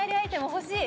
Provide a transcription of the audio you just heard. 欲しい！